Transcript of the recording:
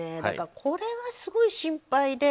これがすごい心配で。